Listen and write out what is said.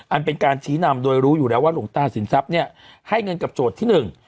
อันเป็นการชี้นำโดยรู้อยู่แล้วว่าหลวงตาสินทรัพย์เนี่ยให้เงินกับโจทย์ที่หนึ่ง